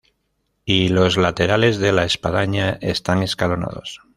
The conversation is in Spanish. Y los laterales de la espadaña están escalonados.